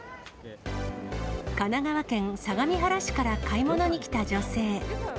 神奈川県相模原市から買い物に来た女性。